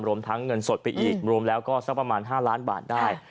รวมทั้งเงินสดไปอีกรวมแล้วก็สักประมาณ๕ล้านบาทได้